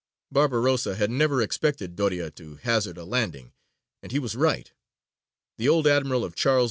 Barbarossa had never expected Doria to hazard a landing, and he was right. The old admiral of Charles V.